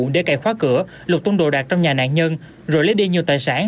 để cài khóa cửa lục tôn đồ đạt trong nhà nạn nhân rồi lấy đi nhiều tài sản